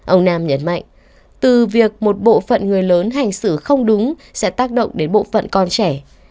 ông nam nhấn mạnh từ việc một bộ phận người lớn hành xử không đúng sẽ tác động đến bộ phận con trẻ